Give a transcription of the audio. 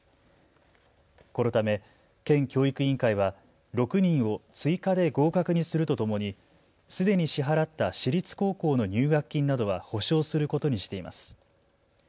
このため県教育委員会は６人を追加で合格にするとともにすでに支払った私立高校の入学金などは補償することにしています。